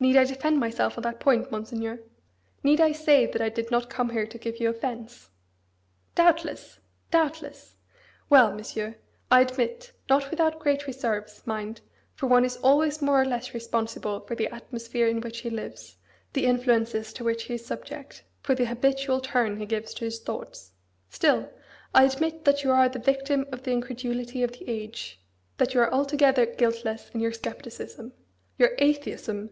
"Need I defend myself on that point, Monseigneur? Need I say that I did not come here to give you offence?" "Doubtless! doubtless! Well, Monsieur, I admit; not without great reserves, mind! for one is always more or less responsible for the atmosphere in which he lives, the influences to which he is subject, for the habitual turn he gives to his thoughts; still, I admit that you are the victim of the incredulity of the age, that you are altogether guiltless in your scepticism, your atheism!